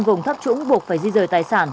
vùng thấp trũng buộc phải di rời tài sản